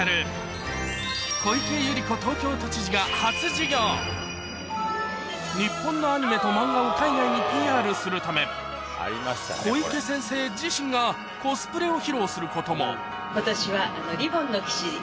続く日本のアニメと漫画を海外にＰＲするため小池先生自身がコスプレを披露することも今年は。